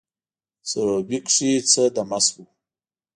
سروبي کښي څه دمه سوو